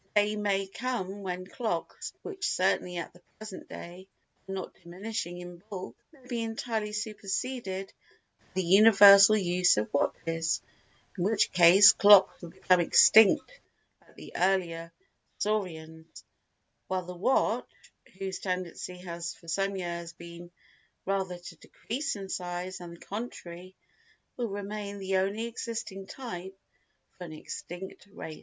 The day may come when clocks, which certainly at the present day are not diminishing in bulk, may be entirely superseded by the universal use of watches, in which case clocks will become extinct like the earlier saurians, while the watch (whose tendency has for some years been rather to decrease in size than the contrary) will remain the only existing type of an extinct race.